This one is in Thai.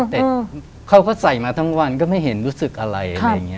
แต่เขาก็ใส่มาทั้งวันก็ไม่เห็นรู้สึกอะไร